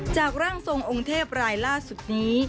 ร่างทรงองค์เทพรายล่าสุดนี้